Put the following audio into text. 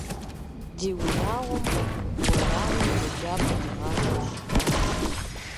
Дэ унагъуэм, уэрамым, еджапӏэм дигъасэу щытащ.